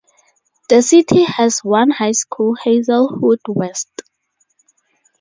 The city has one high school, Hazelwood West.